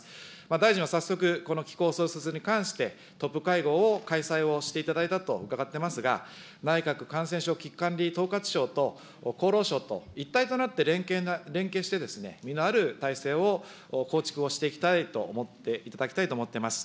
大臣は早速、この機構創設に関して、トップ会合を開催をしていただいたと伺ってますが、内閣感染症危機管理統括庁と厚労省と一体となって連携して、実のある体制を構築をしていきたいと思って、いただきたいと思っております。